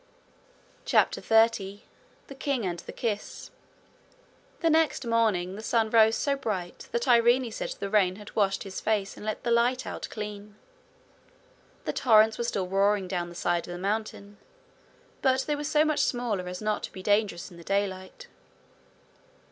CHAPTER 30 The King and the Kiss The next morning the sun rose so bright that Irene said the rain had washed his face and let the light out clean. The torrents were still roaring down the side of the mountain, but they were so much smaller as not to be dangerous in the daylight.